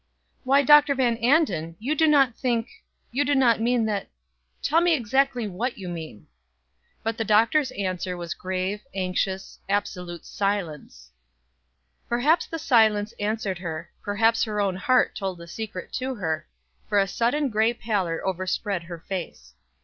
"Why, Dr. Van Anden, you do not think you do not mean that tell me exactly what you mean." But the Doctor's answer was grave, anxious, absolute silence. Perhaps the silence answered her perhaps her own heart told the secret to her, for a sudden gray palor overspread her face.